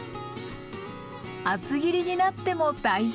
厚切りになっても大丈夫。